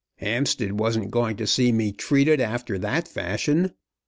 Hampstead wasn't going to see me treated after that fashion.